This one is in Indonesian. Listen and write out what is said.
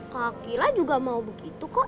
kakilah juga mau begitu kok